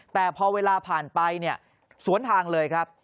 แต่พอเวลาผ่านไปเนี่ยสวนทางเลยครับ